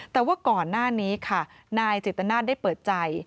แต่ว่าก่อนหน้านี้ค่ะนายจิตนาศได้เปิดใจ